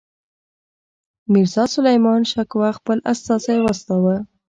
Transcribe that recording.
میرزاسلیمان شکوه خپل استازی واستاوه.